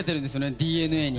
ＤＮＡに。